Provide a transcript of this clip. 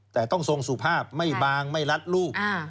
แต่ต้องทรงสุภาพไม่บางไม่รัดรูป